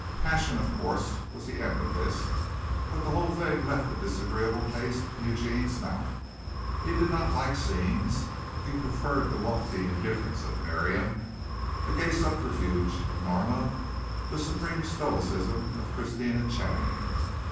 Passion, of course, was the end of this, but the whole thing left a disagreeable taste in Eugene's mouth. He did not like scenes. He preferred the lofty indifference of Miriam, the gay subterfuge of Norma, the supreme stoicism of Christina Channing.